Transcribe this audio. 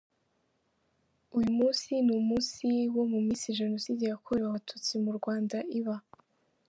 Uyu munsi ni umunsi wa mu minsi Jenoside yakorewe Abatutsi mu Rwanda iba.